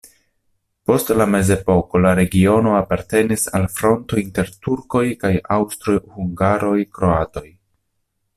Post la mezepoko la regiono apartenis al fronto inter turkoj kaj aŭstroj-hungaroj-kroatoj.